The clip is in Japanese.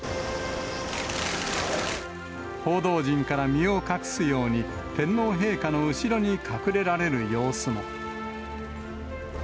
報道陣から身を隠すように、天皇陛下の後ろに隠れられる様子も。